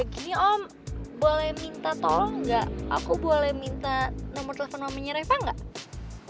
kini om boleh minta tolong gak aku boleh minta nomor telepon mamanya reva nggak